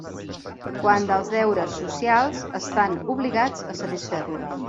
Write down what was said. Quant als deures socials, estan obligats a satisfer-los.